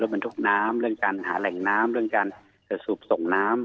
บรรทุกน้ำเรื่องการหาแหล่งน้ำเรื่องการสูบส่งน้ำ